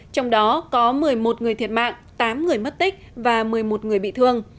trong đó có một mươi một người thiệt mạng tám người mất tích và một mươi một người bị thương